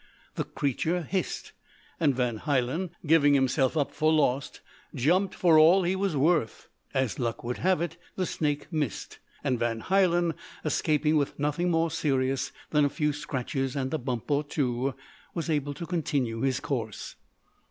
The creature hissed, and Van Hielen, giving himself up for lost, jumped for all he was worth. As luck would have it the snake missed, and Van Hielen, escaping with nothing more serious than a few scratches and a bump or two, was able to continue his course.